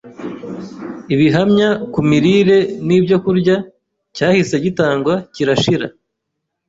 Ibihamya ku Mirire n’Ibyokurya,” cyahise gitangwa kirashira.